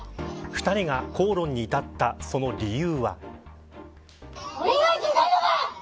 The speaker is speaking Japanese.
２人が口論に至ったその理由は。